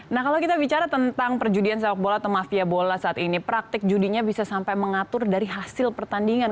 nah kalau kita bicara tentang perjudian sepak bola atau mafia bola saat ini praktik judinya bisa sampai mengatur dari hasil pertandingan